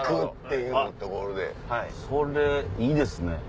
それいいですね。